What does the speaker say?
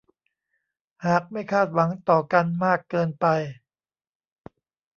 หากไม่คาดหวังต่อกันมากเกินไป